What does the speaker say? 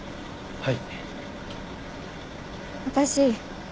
はい。